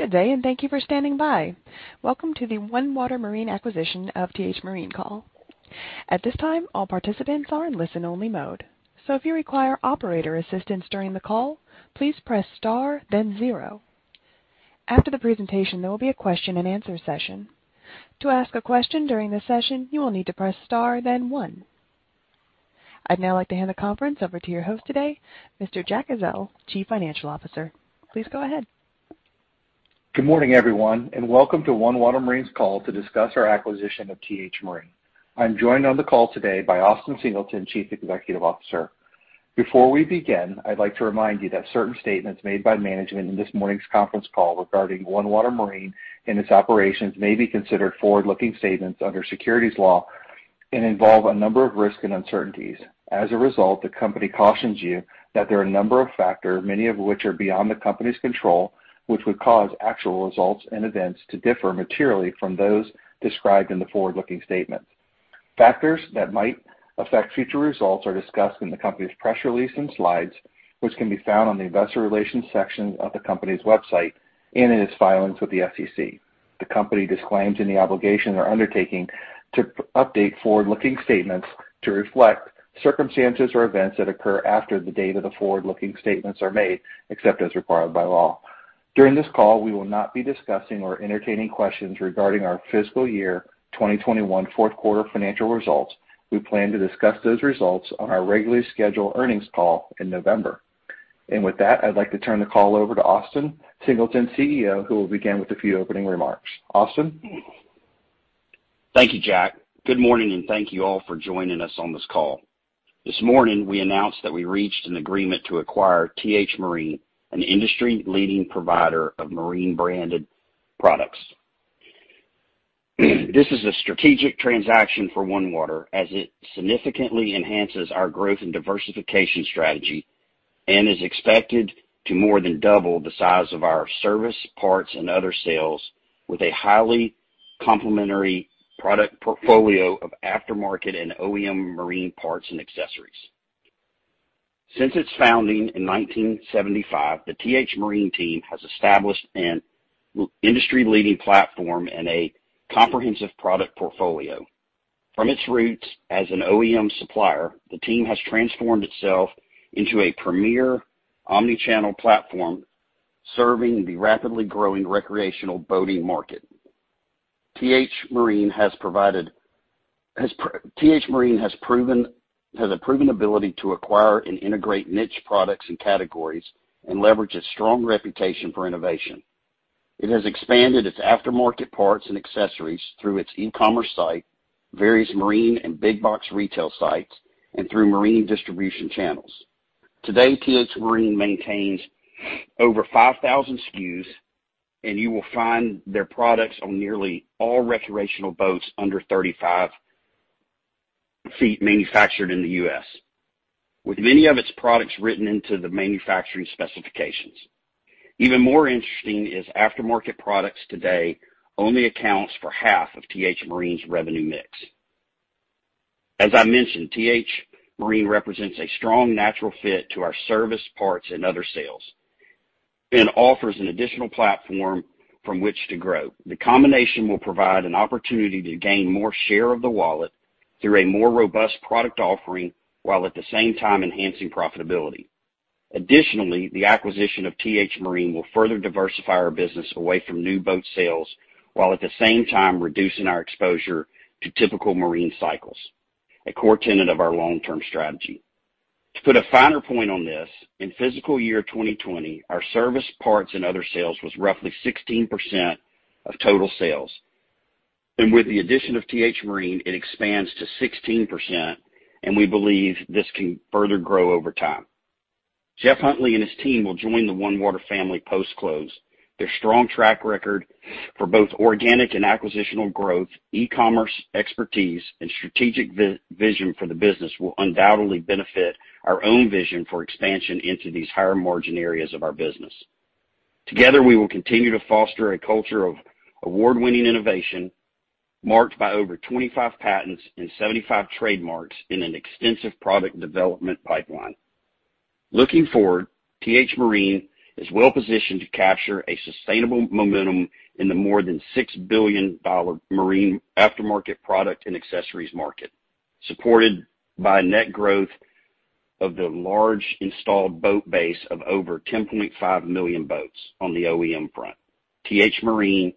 Good day, and thank you for standing by. Welcome to the OneWater Marine Acquisition of T-H Marine call. At this time, all participants are in listen-only mode. If you require operator assistance during the call, please press star then zero. After the presentation, there will be a question and answer session. To ask a question during the session, you will need to press star then one. I'd now like to hand the conference over to your host today, Mr. Jack Ezzell, Chief Financial Officer. Please go ahead. Good morning, everyone, and welcome to OneWater Marine's call to discuss our acquisition of T-H Marine. I'm joined on the call today by Austin Singleton, Chief Executive Officer. Before we begin, I'd like to remind you that certain statements made by management in this morning's conference call regarding OneWater Marine and its operations may be considered forward-looking statements under securities law and involve a number of risks and uncertainties. As a result, the company cautions you that there are a number of factors, many of which are beyond the company's control, which would cause actual results and events to differ materially from those described in the forward-looking statement. Factors that might affect future results are discussed in the company's press release and slides, which can be found on the investor relations section of the company's website and in its filings with the SEC. The company disclaims any obligation or undertaking to update forward-looking statements to reflect circumstances or events that occur after the date of the forward-looking statements are made, except as required by law. During this call, we will not be discussing or entertaining questions regarding our fiscal year 2021 fourth quarter financial results. We plan to discuss those results on our regularly scheduled earnings call in November. With that, I'd like to turn the call over to Austin Singleton, CEO, who will begin with a few opening remarks. Austin? Thank you, Jack. Good morning, and thank you all for joining us on this call. This morning, we announced that we reached an agreement to acquire T-H Marine, an industry-leading provider of marine branded products. This is a strategic transaction for OneWater as it significantly enhances our growth and diversification strategy and is expected to more than double the size of our service, parts, and other sales with a highly complementary product portfolio of aftermarket and OEM marine parts and accessories. Since its founding in 1975, the T-H Marine team has established an industry-leading platform and a comprehensive product portfolio. From its roots as an OEM supplier, the team has transformed itself into a premier omni-channel platform serving the rapidly growing recreational boating market. T-H Marine has a proven ability to acquire and integrate niche products and categories and leverage its strong reputation for innovation. It has expanded its aftermarket parts and accessories through its e-commerce site, various marine and big box retail sites, and through marine distribution channels. Today, T-H Marine maintains over 5,000 SKUs, and you will find their products on nearly all recreational boats under 35 ft manufactured in the U.S., with many of its products written into the manufacturing specifications. Even more interesting is aftermarket products today only accounts for half of T-H Marine's revenue mix. As I mentioned, T-H Marine represents a strong natural fit to our service, parts, and other sales and offers an additional platform from which to grow. The combination will provide an opportunity to gain more share of the wallet through a more robust product offering while at the same time enhancing profitability. Additionally, the acquisition of T-H Marine will further diversify our business away from new boat sales while at the same time reducing our exposure to typical marine cycles, a core tenet of our long-term strategy. To put a finer point on this, in fiscal year 2020, our service, parts, and other sales was roughly 16% of total sales. With the addition of T-H Marine, it expands to 16%, and we believe this can further grow over time. Jeff Huntley and his team will join the OneWater family post-close. Their strong track record for both organic and acquisitional growth, e-commerce expertise, and strategic vision for the business will undoubtedly benefit our own vision for expansion into these higher margin areas of our business. Together, we will continue to foster a culture of award-winning innovation marked by over 25 patents and 75 trademarks in an extensive product development pipeline. Looking forward, T-H Marine is well positioned to capture a sustainable momentum in the more than $6 billion marine aftermarket product and accessories market, supported by net growth of the large installed boat base of over 10.5 million boats on the OEM front. T-H Marine's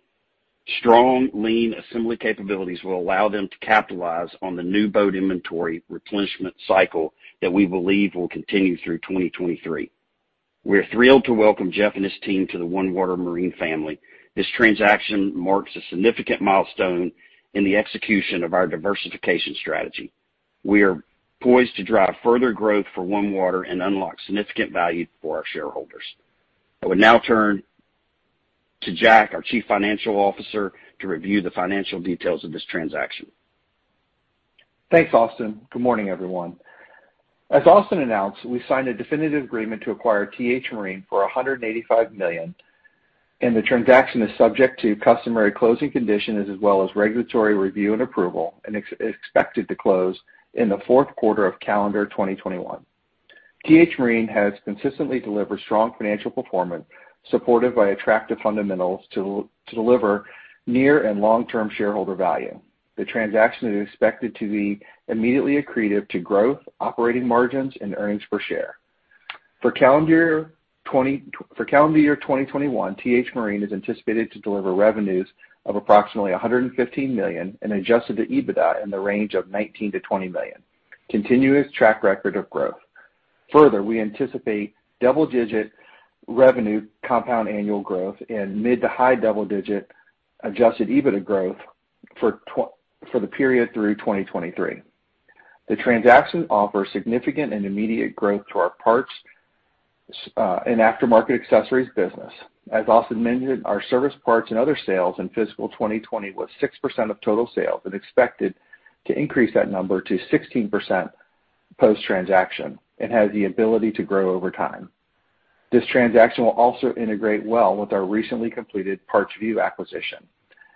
strong lean assembly capabilities will allow them to capitalize on the new boat inventory replenishment cycle that we believe will continue through 2023. We're thrilled to welcome Jeff and his team to the OneWater Marine family. This transaction marks a significant milestone in the execution of our diversification strategy. We are poised to drive further growth for OneWater and unlock significant value for our shareholders. I would now turn to Jack, our Chief Financial Officer, to review the financial details of this transaction. Thanks, Austin. Good morning, everyone. As Austin announced, we signed a definitive agreement to acquire T-H Marine for $185 million. The transaction is subject to customary closing conditions as well as regulatory review and approval and is expected to close in the fourth quarter of calendar 2021. T-H Marine has consistently delivered strong financial performance, supported by attractive fundamentals to deliver near and long-term shareholder value. The transaction is expected to be immediately accretive to growth, operating margins, and earnings per share. For calendar year 2021, T-H Marine is anticipated to deliver revenues of approximately $115 million and adjusted EBITDA in the range of $19 million-$20 million, continuous track record of growth. Further, we anticipate double-digit revenue compound annual growth and mid to high double-digit adjusted EBITDA growth for the period through 2023. The transaction offers significant and immediate growth to our parts and aftermarket accessories business. As Austin mentioned, our service parts and other sales in fiscal 2020 was 6% of total sales and expected to increase that number to 16% post-transaction and has the ability to grow over time. This transaction will also integrate well with our recently completed PartsVu acquisition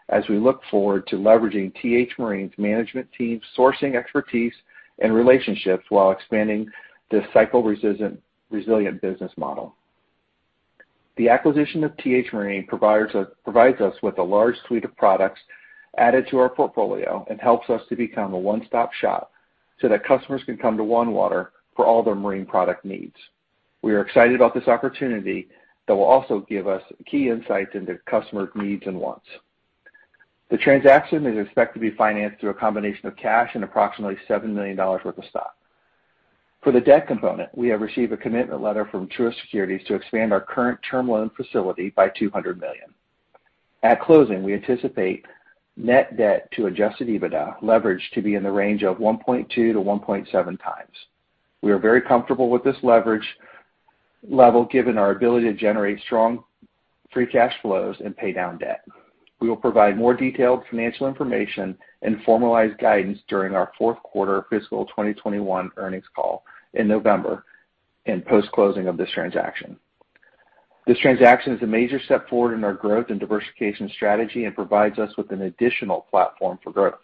as we look forward to leveraging T-H Marine's management team sourcing expertise and relationships while expanding this cycle-resilient business model. The acquisition of T-H Marine provides us with a large suite of products added to our portfolio and helps us to become a one-stop shop so that customers can come to OneWater for all their marine product needs. We are excited about this opportunity that will also give us key insights into customers' needs and wants. The transaction is expected to be financed through a combination of cash and approximately $7 million worth of stock. For the debt component, we have received a commitment letter from Truist Securities to expand our current term loan facility by $200 million. At closing, we anticipate net debt to adjusted EBITDA leverage to be in the range of 1.2x to 1.7x. We are very comfortable with this leverage level given our ability to generate strong free cash flows and pay down debt. We will provide more detailed financial information and formalized guidance during our fourth quarter fiscal 2021 earnings call in November and post-closing of this transaction. This transaction is a major step forward in our growth and diversification strategy and provides us with an additional platform for growth.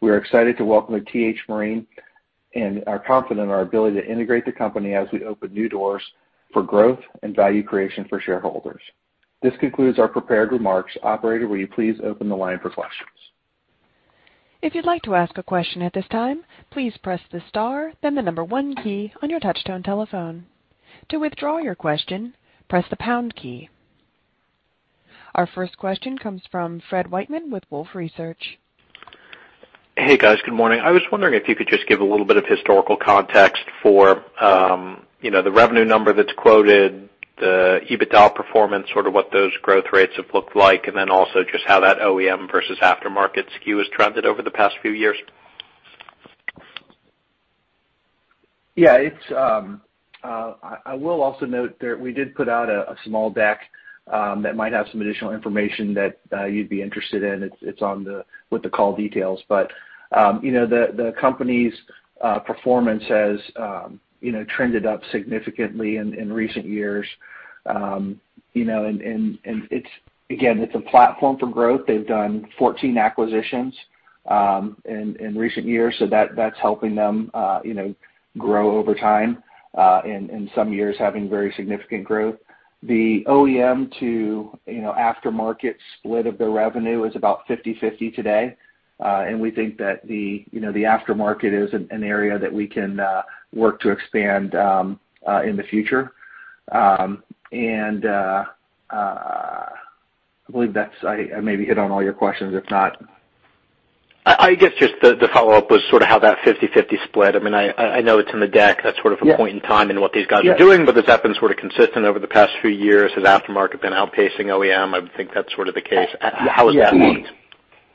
We are excited to welcome T-H Marine and are confident in our ability to integrate the company as we open new doors for growth and value creation for shareholders. This concludes our prepared remarks. Operator, will you please open the line for questions? Our first question comes from Fred Wightman with Wolfe Research. Hey, guys. Good morning. I was wondering if you could just give a little bit of historical context for the revenue number that's quoted, the EBITDA performance, sort of what those growth rates have looked like, and then also just how that OEM versus aftermarket SKU has trended over the past few years. I will also note that we did put out a small deck that might have some additional information that you'd be interested in. It's with the call details. The company's performance has trended up significantly in recent years. It's a platform for growth. They've done 14 acquisitions in recent years, so that's helping them grow over time, in some years having very significant growth. The OEM to aftermarket split of their revenue is about 50/50 today. We think that the aftermarket is an area that we can work to expand in the future. I believe I maybe hit on all your questions. I guess just the follow-up was sort of how that 50/50 split. I know it's in the deck. That's sort of a point in time in what these guys are doing. Has that been sort of consistent over the past few years? Has aftermarket been outpacing OEM? I would think that's sort of the case. How has that looked?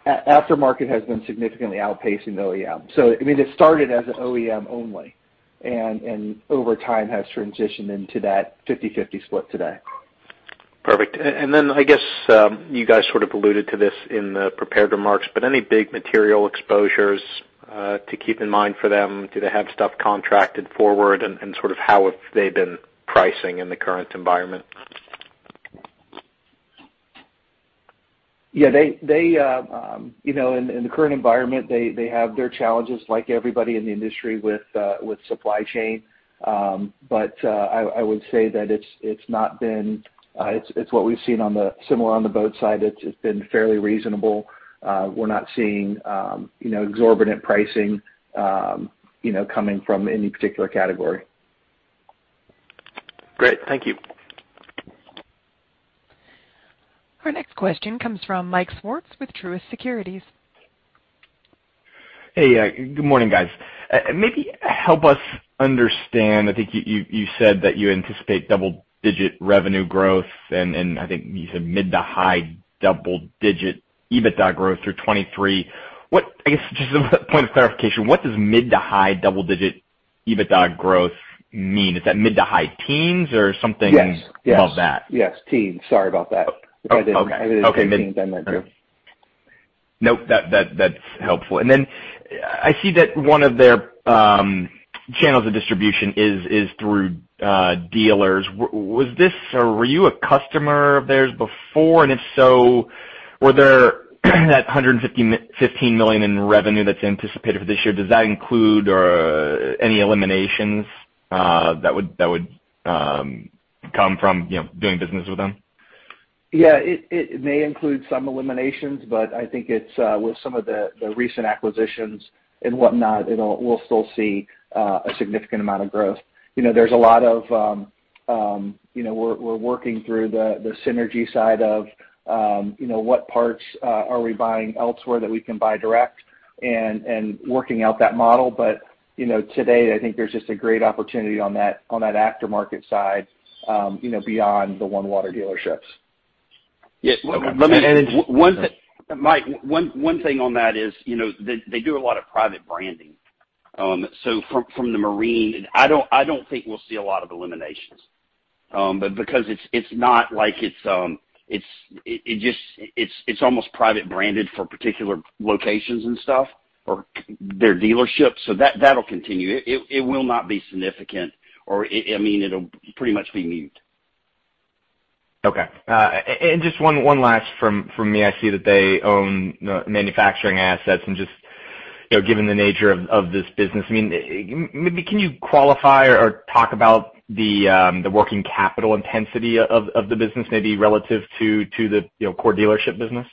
Aftermarket has been significantly outpacing OEM. It started as an OEM only, and over time has transitioned into that 50/50 split today. Perfect. I guess you guys sort of alluded to this in the prepared remarks, but any big material exposures to keep in mind for them? Do they have stuff contracted forward? Sort of how have they been pricing in the current environment? In the current environment, they have their challenges like everybody in the industry with supply chain. I would say that it's what we've seen similar on the boat side. It's been fairly reasonable. We're not seeing exorbitant pricing coming from any particular category. Great. Thank you. Our next question comes from Michael Swartz with Truist Securities. Hey. Good morning, guys. Maybe help us understand, I think you said that you anticipate double-digit revenue growth, and I think you said mid to high double-digit EBITDA growth through 2023. I guess just a point of clarification, what does mid to high double-digit EBITDA growth mean? Is that mid to high teens or something above that? Yes. Thanks. Sorry about that. Okay. I did say teens. I meant to. Nope. That's helpful. I see that one of their channels of distribution is through dealers. Were you a customer of theirs before? If so, were there that $115 million in revenue that's anticipated for this year, does that include any eliminations that would come from doing business with them? Yeah. It may include some eliminations, but I think with some of the recent acquisitions and whatnot, we'll still see a significant amount of growth. We're working through the synergy side of what parts are we buying elsewhere that we can buy direct and working out that model. Today, I think there's just a great opportunity on that aftermarket side beyond the OneWater dealerships. Yeah. Okay. Michael Swartz, one thing on that is, they do a lot of private branding. From the marine, I don't think we'll see a lot of eliminations. Because it's almost private branded for particular locations and stuff or their dealerships, so that'll continue. It will not be significant, or it'll pretty much be moot. Okay. Just one last from me. I see that they own manufacturing assets and just, given the nature of this business, maybe can you qualify or talk about the working capital intensity of the business maybe relative to the core dealership business?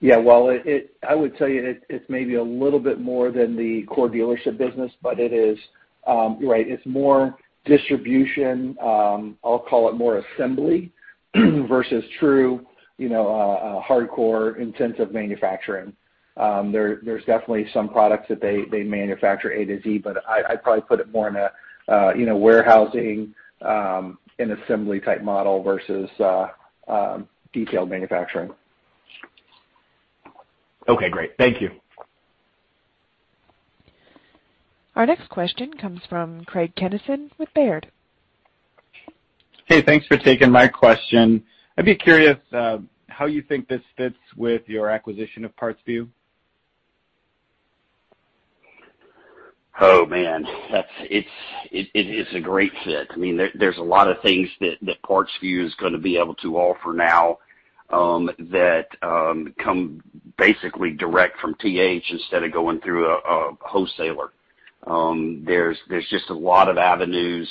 Yeah. Well, I would tell you it's maybe a little bit more than the core dealership business. It is. You're right. It's more distribution. I'll call it more assembly versus true hardcore intensive manufacturing. There's definitely some products that they manufacture A to Z. I'd probably put it more in a warehousing and assembly type model versus detailed manufacturing. Okay, great. Thank you. Our next question comes from Craig Kennison with Baird. Hey, thanks for taking my question. I'd be curious how you think this fits with your acquisition of PartsVu. Oh, man. It's a great fit. There's a lot of things that PartsVu is going to be able to offer now that come basically direct from TH instead of going through a wholesaler. There's just a lot of avenues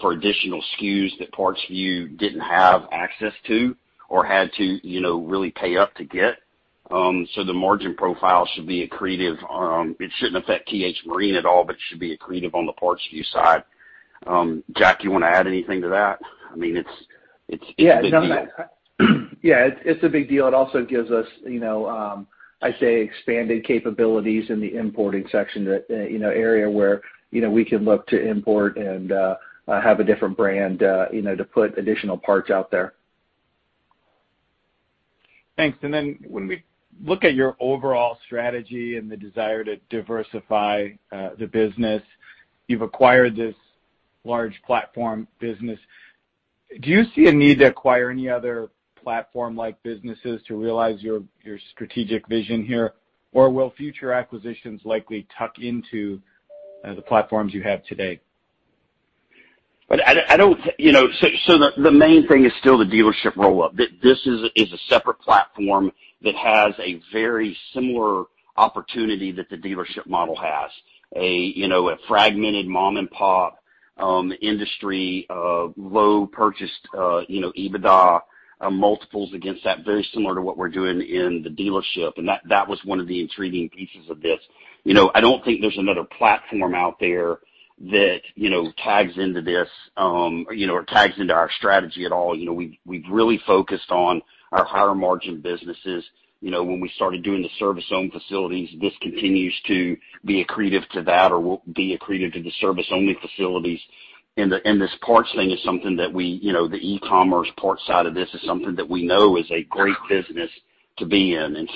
for additional SKUs that PartsVu didn't have access to or had to really pay up to get. The margin profile should be accretive. It shouldn't affect T-H Marine at all, but it should be accretive on the PartsVu side. Jack, you want to add anything to that? It's a big deal. Yeah, it's a big deal. It also gives us, I say, expanded capabilities in the importing section, the area where we can look to import and have a different brand to put additional parts out there. Thanks. When we look at your overall strategy and the desire to diversify the business, you've acquired this large platform business. Do you see a need to acquire any other platform-like businesses to realize your strategic vision here? Or will future acquisitions likely tuck into the platforms you have today? The main thing is still the dealership roll-up. This is a separate platform that has a very similar opportunity that the dealership model has. A fragmented mom-and-pop industry, low purchased EBITDA, multiples against that, very similar to what we're doing in the dealership, and that was one of the intriguing pieces of this. I don't think there's another platform out there that tags into this, or tags into our strategy at all. We've really focused on our higher margin businesses. When we started doing the service own facilities, this continues to be accretive to that or will be accretive to the service-only facilities. This parts thing is something that the e-commerce parts side of this is something that we know is a great business to be in.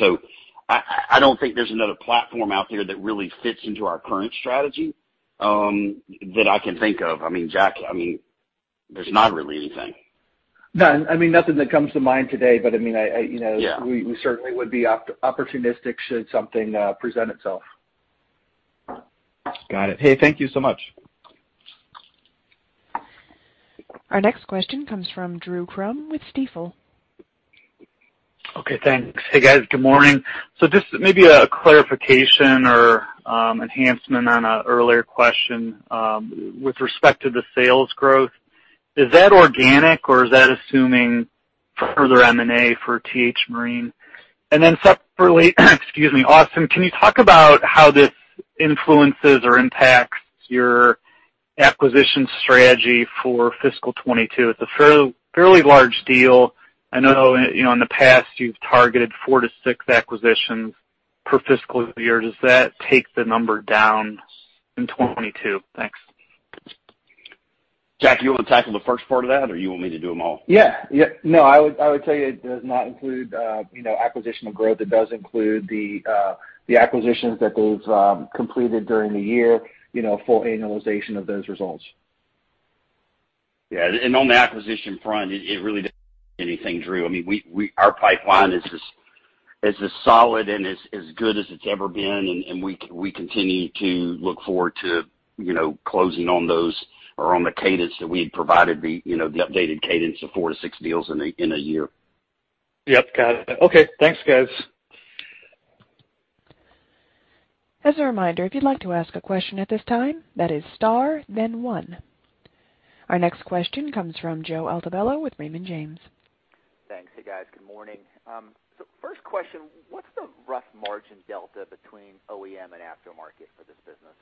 I don't think there's another platform out there that really fits into our current strategy that I can think of. Jack, there's not really anything. No. Nothing that comes to mind today, but we certainly would be opportunistic should something present itself. Got it. Hey, thank you so much. Our next question comes from Drew Crum with Stifel. Okay, thanks. Hey, guys. Good morning. Just maybe a clarification or enhancement on an earlier question with respect to the sales growth. Is that organic or is that assuming further M&A for T-H Marine? Separately, Austin, can you talk about how this influences or impacts your acquisition strategy for fiscal 2022? It's a fairly large deal. I know in the past you've targeted four to six acquisitions per fiscal year. Does that take the number down in 2022? Thanks. Jack, you want to tackle the first part of that, or you want me to do them all? Yeah. No, I would tell you it does not include acquisitional growth. It does include the acquisitions that they've completed during the year, full annualization of those results. Yeah. On the acquisition front, it really doesn't affect anything, Drew. Our pipeline is as solid and as good as it's ever been. We continue to look forward to closing on those or on the cadence that we had provided, the updated cadence of four to six deals in a year. Yep. Got it. Okay. Thanks, guys. As a reminder, if you'd like to ask a question at this time, that is star, then one. Our next question comes from Joseph Altobello with Raymond James. Thanks. Hey, guys. Good morning. First question, what's the rough margin delta between OEM and aftermarket for this business?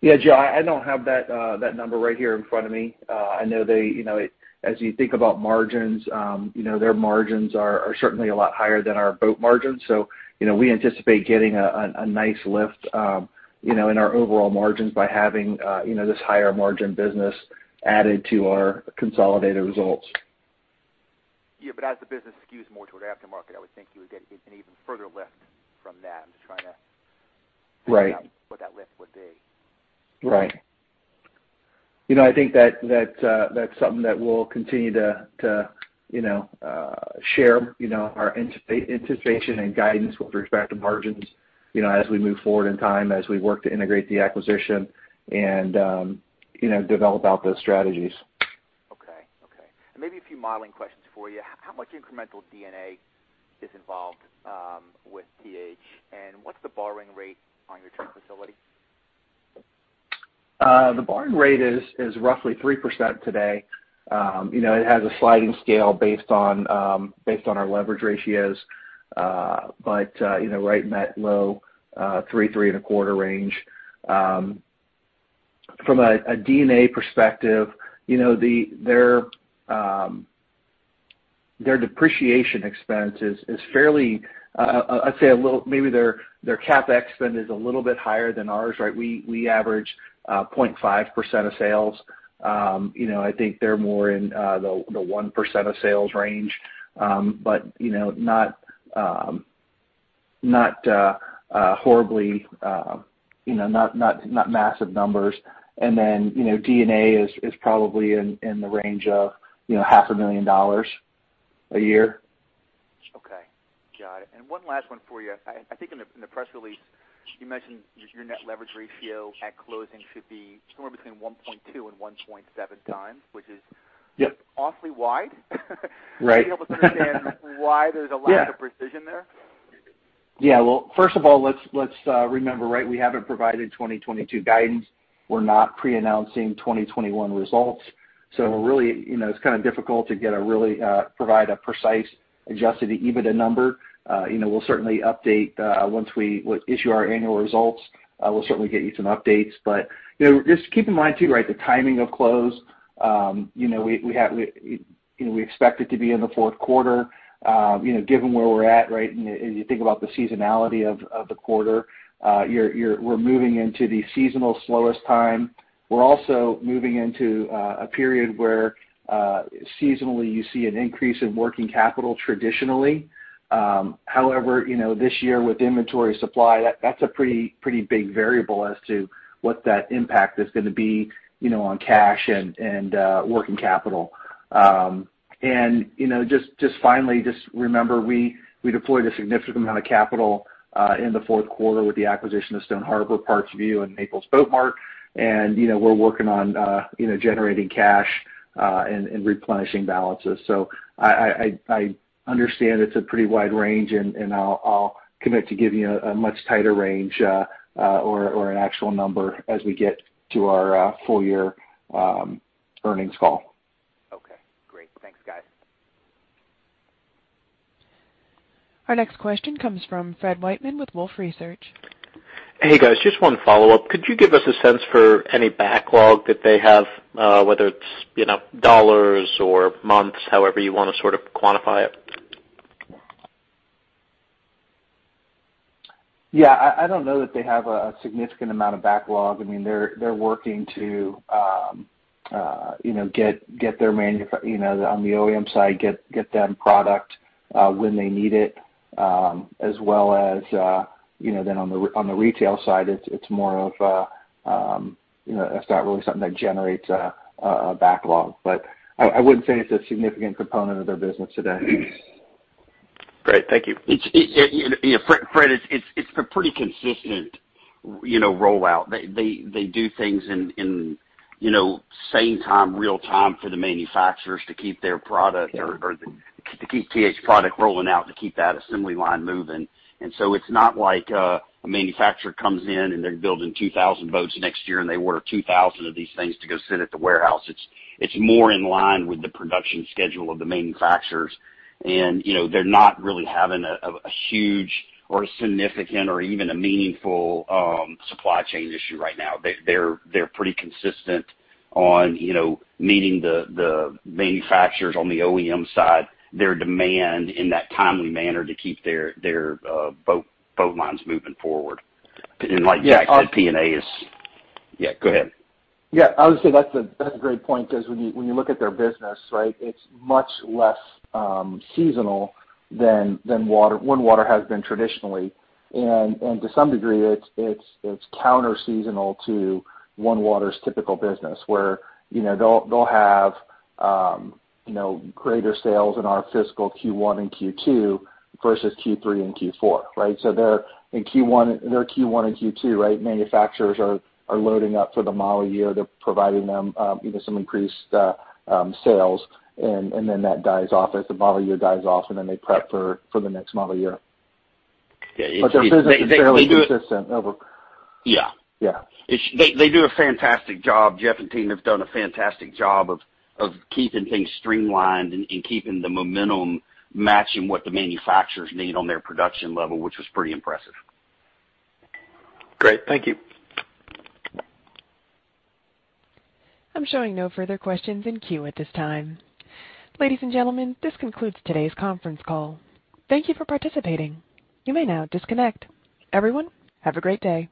Yeah, Joe, I don't have that number right here in front of me. I know as you think about margins, their margins are certainly a lot higher than our boat margins. We anticipate getting a nice lift in our overall margins by having this higher margin business added to our consolidated results. Yeah, as the business skews more toward aftermarket, I would think you would get an even further lift from that. Right figure out what that lift would be. Right. I think that's something that we'll continue to share our anticipation and guidance with respect to margins as we move forward in time, as we work to integrate the acquisition and develop out those strategies. Okay. Maybe a few modeling questions for you. How much incremental D&A is involved with TH, and what's the borrowing rate on your term facility? The borrowing rate is roughly 3% today. It has a sliding scale based on our leverage ratios. Right in that low 3%-3.25% range. From a D&A perspective, their depreciation expense is fairly I'd say maybe their CapEx spend is a little bit higher than ours. We average 0.5% of sales. I think they're more in the 1% of sales range. Not horribly, not massive numbers. D&A is probably in the range of $500,000 a year. Okay. Got it. One last one for you. I think in the press release, you mentioned your net leverage ratio at closing should be somewhere between 1.2x and 1.7x. Yep awfully wide. Right. Can you help us understand why there's a lack of precision there? Well, first of all, let's remember, we haven't provided 2022 guidance. We're not pre-announcing 2021 results. It's kind of difficult to provide a precise adjusted EBITDA number. We'll certainly update once we issue our annual results. We'll certainly get you some updates. Just keep in mind too, the timing of close. We expect it to be in the fourth quarter given where we're at. As you think about the seasonality of the quarter, we're moving into the seasonal slowest time. We're also moving into a period where seasonally you see an increase in working capital traditionally. However, this year with inventory supply, that's a pretty big variable as to what that impact is going to be on cash and working capital. Just finally, just remember we deployed a significant amount of capital in the fourth quarter with the acquisition of Stone Harbor Marina, PartsVu, and Naples Boat Mart. We're working on generating cash and replenishing balances. I understand it's a pretty wide range, and I'll commit to giving you a much tighter range or an actual number as we get to our full year earnings call. Okay, great. Thanks, guys. Our next question comes from Fred Wightman with Wolfe Research. Hey, guys. Just one follow-up. Could you give us a sense for any backlog that they have, whether it's dollars or months, however you want to sort of quantify it? Yeah. I don't know that they have a significant amount of backlog. They're working to, on the OEM side, get that product when they need it, as well as then on the retail side, it's not really something that generates a backlog. I wouldn't say it's a significant component of their business today. Great. Thank you. Fred, it's a pretty consistent rollout. They do things in same time, real time for the manufacturers to keep their product or to keep TH product rolling out, to keep that assembly line moving. It's not like a manufacturer comes in and they're building 2,000 boats next year, and they order 2,000 of these things to go sit at the warehouse. It's more in line with the production schedule of the manufacturers. They're not really having a huge or a significant or even a meaningful supply chain issue right now. They're pretty consistent on meeting the manufacturers on the OEM side, their demand in that timely manner to keep their boat lines moving forward. Like Jack Ezzell said, P&A. Yeah, go ahead. Yeah, I would say that's a great point because when you look at their business, it's much less seasonal than OneWater has been traditionally. To some degree, it's counter seasonal to OneWater's typical business where they'll have greater sales in our fiscal Q1 and Q2 versus Q3 and Q4. Their Q1 and Q2, manufacturers are loading up for the model year. They're providing them some increased sales, and then that dies off as the model year dies off, and then they prep for the next model year. Yeah. Their business is fairly consistent over Yeah. Yeah. They do a fantastic job. Jeff and team have done a fantastic job of keeping things streamlined and keeping the momentum matching what the manufacturers need on their production level, which was pretty impressive. Great. Thank you. I'm showing no further questions in queue at this time. Ladies and gentlemen, this concludes today's conference call. Thank you for participating. You may now disconnect. Everyone, have a great day.